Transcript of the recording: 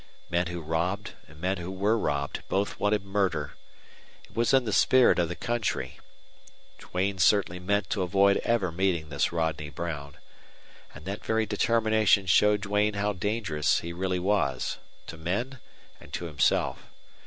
Men who robbed and men who were robbed both wanted murder. It was in the spirit of the country. Duane certainly meant to avoid ever meeting this Rodney Brown. And that very determination showed Duane how dangerous he really was to men and to himself.